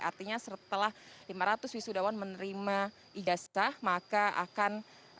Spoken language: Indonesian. artinya setelah lima ratus wisudawan menerima ijazah maka akan